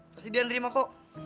pasti dia nerima kok